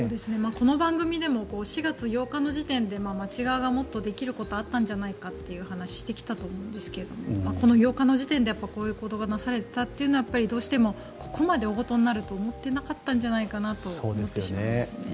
この番組でも４月８日の時点で町側がもっとできることがあったんじゃないかという話をしてきたと思うんですがこの８日の時点でこういう行動がなされていたというのはどうしてもここまで大ごとになると思っていなかったんじゃないかと思ってしまいますね。